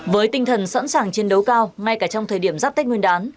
với tinh thần sẵn sàng chiến đấu cao ngay cả trong thời điểm giáp tết nguyên đán